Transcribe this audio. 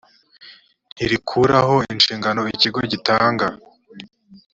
ntirikuraho inshingano ikigo gitanga